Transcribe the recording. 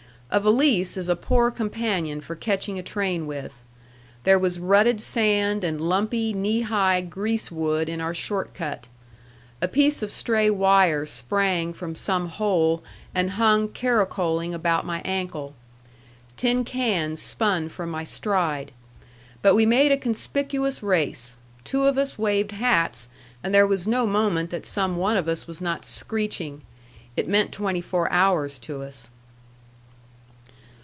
A valise is a poor companion for catching a train with. There was rutted sand and lumpy, knee high grease wood in our short cut. A piece of stray wire sprang from some hole and hung caracoling about my ankle. Tin cans spun from my stride. But we made a conspicuous race. Two of us waved hats, and there was no moment that some one of us was not screeching. It meant twenty four hours to us.